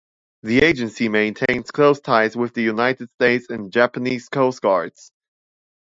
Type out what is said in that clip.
The agency maintains close ties with the United States and Japanese coast guards.